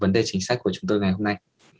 vấn đề chính sách của chúng tôi ngày hôm nay